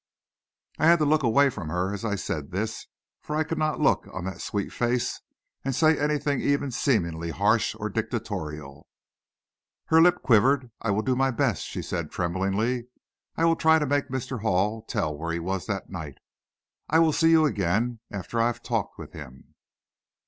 I had to look away from her as I said this, for I could not look on that sweet face and say anything even seemingly harsh or dictatorial. Her lip quivered. "I will do my best," she said tremblingly. "I will try to make Mr. Hall tell where he was that night. I will see you again after I have talked with him."